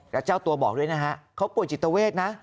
แล้วเจ้าตัวบอกด้วยนะฮะเขาป่วยจิตเวทนะ